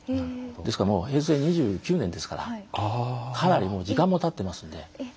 ですからもう平成２９年ですからかなりもう時間もたっていますので。